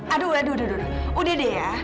aduh aduh aduh udah deh ya